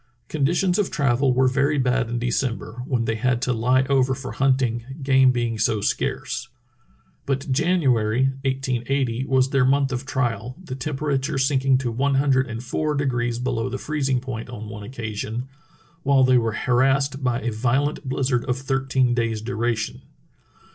Conditions of travel were very bad in December, when they had to lie over for hunting, game being so Schwatka's Summer Search 325 scarce. But January, 1880, was their month of trial, the temperature sinking to one hundred and four de grees below the freezing point on one occasion, while they were harassed by a violent blizzard of thirteen days' duration.